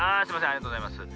ありがとうございます。